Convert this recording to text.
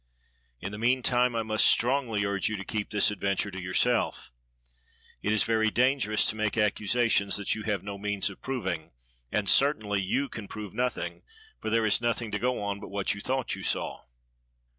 In the mean time I must strongly urge you to keep this adventure to yourself. It is very dangerous to make accusations that you have no means of proving, and certainly you can prove nothing, for there is nothing to go on but what you thought you saw.